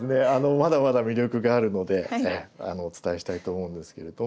まだまだ魅力があるのでお伝えしたいと思うんですけれども。